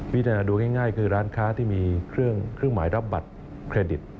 พิจารณาดูง่ายคือร้านค้าที่มีเครื่องหมายรับบัตรเครดิต